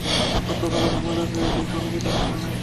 গতকাল অনেক মজা পেয়েছি সংগীত অনুষ্ঠানে।